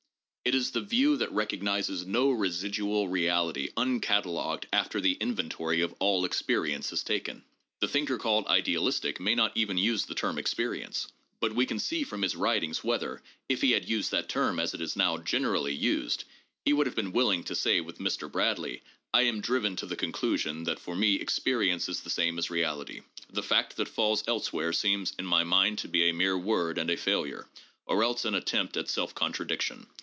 It is the view that recognizes no residual reality uncatalogued after the inventory of all experience is taken. The thinker called idealistic may not even use the term experience; but we can see from his writings whether, if he had used that term as it is now generally used, he would have been willing to say with Mr. Bradley: "I am driven to the conclusion that for me experience is the same as reality. The fact that falls elsewhere seems, in my mind, to be a mere word and a failure, or else an attempt at self contradiction.